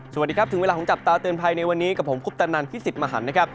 สวัสดีครับถึงเวลาของจับตาเตือนภัยในวันนี้กับผมคุปตนันพิสิทธิ์มหันนะครับ